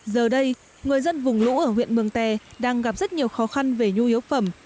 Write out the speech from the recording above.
giờ đây người dân vùng lũ ở huyện mường tè đang gặp rất nhiều khó khăn về nhu yếu phẩm